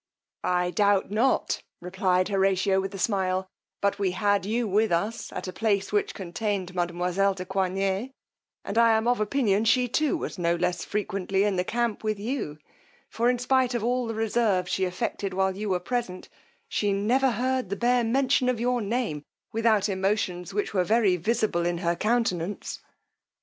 I doubt not, replied Horatio with a smile, but we had you with us at a place which contained mademoiselle de Coigney; and I am of opinion too she was no less frequently in the camp with you; for in spite of all the reserve she affected while you were present, she never heard the bare mention of your name without emotions, which were very visible in her countenance.